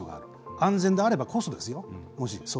安全であればこそですよ。